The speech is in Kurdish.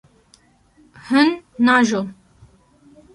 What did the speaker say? Hûn naajon.